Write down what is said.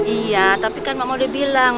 iya tapi kan mama udah bilang